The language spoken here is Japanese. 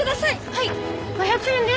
はい５００円です。